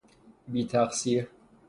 بی تقصیر